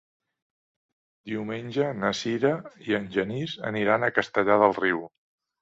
Diumenge na Sira i en Genís aniran a Castellar del Riu.